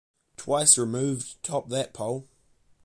"Twice Removed" topped that poll.